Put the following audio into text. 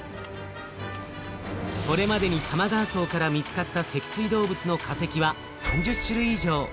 これまでに玉川層から見つかった脊椎動物の化石は３０種類以上。